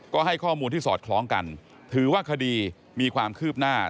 ก็ให้ข้อมูลที่สอดคล้องกันถือว่าคดีมีความคืบหน้า